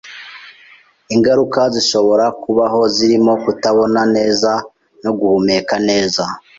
Ingaruka zishobora kubaho zirimo kutabona neza no guhumeka neza.